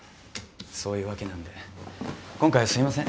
そういうわけなんで今回はすいません。